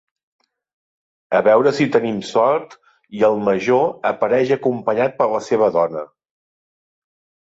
A veure si tenim sort i el major apareix acompanyat per la seva dona.